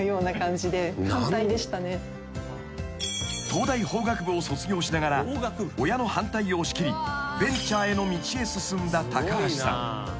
［東大法学部を卒業しながら親の反対を押し切りベンチャーへの道へ進んだ高橋さん］